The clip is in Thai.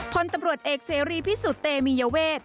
พลตำรวจเอกเสรีพิสุทธิ์เตมียเวท